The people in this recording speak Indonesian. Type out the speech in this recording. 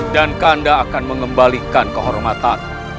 dan kanda akan mengembalikan kehormatanmu